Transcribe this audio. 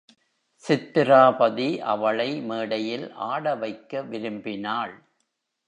சித்திராபதி அவளை மேடையில் ஆடவைக்க விரும்பினாள்.